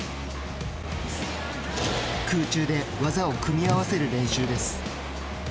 空中で技を組み合わせる練習です。